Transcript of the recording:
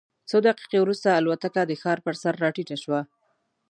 څو دقیقې وروسته الوتکه د ښار پر سر راټیټه شوه.